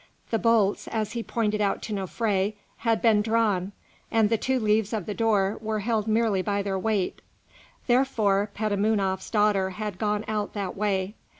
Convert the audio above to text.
The bolts, as he pointed out to Nofré, had been drawn, and the two leaves of the door were held merely by their weight; therefore Petamounoph's daughter had gone out that way.